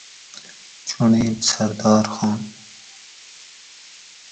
چُنڑیل : سردار خان